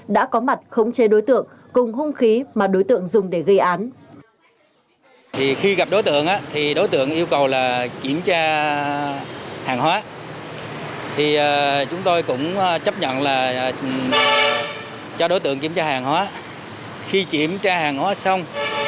đã có mặt khống chế đối tượng cùng hung khí mà đối tượng dùng để gây án